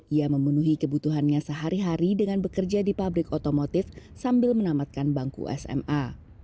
ia memenuhi kebutuhannya sehari hari dengan bekerja di pabrik otomotif sambil menamatkan bangku sma